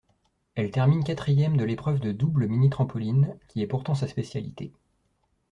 Elle termine quatrième de l'épreuve de double mini trampoline, qui est pourtant sa spécialité.